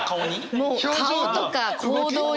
もう顔とか行動に。